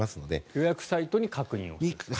予約サイトの確認をする。